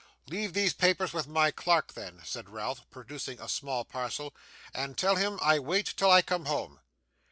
'Leave these papers with my clerk, then,' said Ralph, producing a small parcel, 'and tell him to wait till I come home.